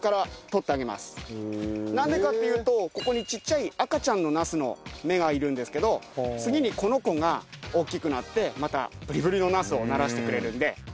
なんでかっていうとここにちっちゃい赤ちゃんのナスの芽がいるんですけど次にこの子が大きくなってまたブリブリのナスをならしてくれるんで。